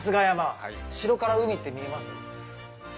城から海って見えます？